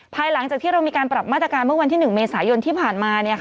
ภายหลังจากที่เรามีการปรับมาตรการเมื่อวันที่๑เมษายนที่ผ่านมา